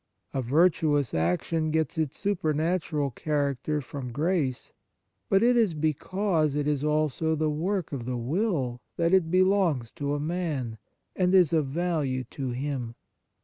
A virtuous action gets its supernatural character from grace, but it is because it is also the work of the will that it belongs to a man, and is of value to him.